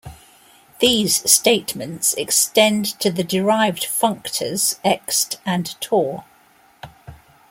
These statements extend to the derived functors Ext and Tor.